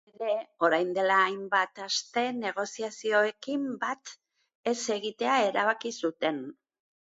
Izan ere, orain dela hainbat aste negoziazioekin bat ez egitea erabaki zuten.